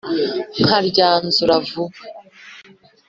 nkaryanzura vuba !"